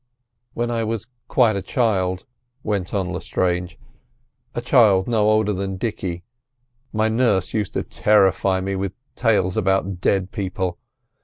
"When I was quite a child," went on Lestrange, "a child no older than Dicky, my nurse used to terrify me with tales about dead people.